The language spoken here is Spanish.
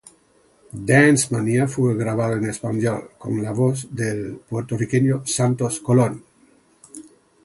Dance Mania fue grabado en español, con la voz del puertorriqueño Santos Colón.